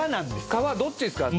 皮どっちですか？